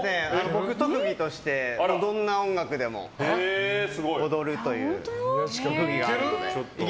僕、特技としてどんな音楽でも踊るという特技があるので。